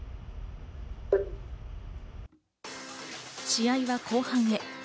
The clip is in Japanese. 試合は後半へ。